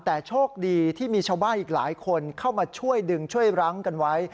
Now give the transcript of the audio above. แต่โชคดีที่มีชาวบ้านอีกหลายคนเข้ามาช่วยดึงช่วยรั้งกันไว้